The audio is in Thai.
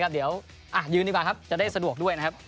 เดี๋ยวยืนดีกว่าครับจะได้สะดวกด้วยนะครับ